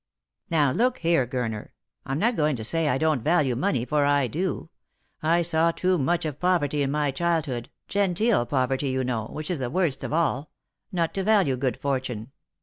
" Now look here, Gurner. I'm not going to say I don't value money, for I do. I saw too much of poverty in my childhood — genteel poverty, you know, which is the worst of all — not to value good fortune.